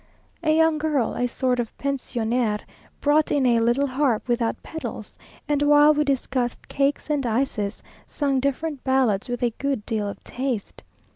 A young girl, a sort of pensionnaire, brought in a little harp without pedals, and while we discussed cakes and ices, sung different ballads with a good deal of taste.